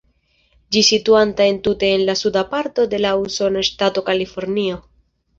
Ĝi situanta entute en la suda parto de la usona ŝtato Kalifornio.